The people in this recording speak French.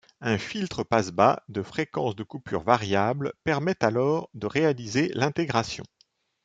Un filtre passe-bas, de fréquence de coupure variable permet alors de réaliser l'intégration.